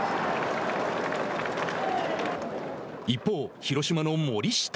一方、広島の森下。